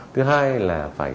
thứ hai là phải